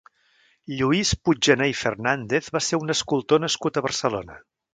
Lluís Puiggener i Fernández va ser un escultor nascut a Barcelona.